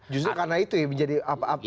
justru karena itu ya menjadi penghasil suara ya